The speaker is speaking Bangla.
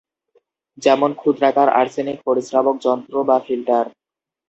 যেমন ক্ষুদ্রাকার আর্সেনিক পরিস্রাবক যন্ত্র বা ফিল্টার।